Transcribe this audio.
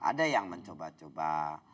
ada yang mencoba coba